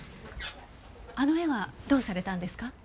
あの絵はどうされたんですか？